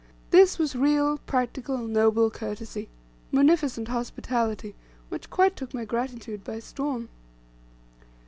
This was real, practical, noble courtesy, munificent hospitality, which quite took my gratitude by storm.